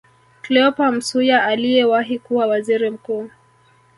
Cleopa Msuya aliyewahi kuwa Waziri Mkuu